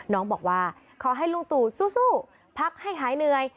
น้องบอกว่าขอให้ลุงตู่สู้พักให้หายเหนื่อย